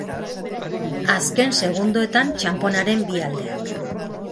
Azken segundoetan txanponaren bi aldeak.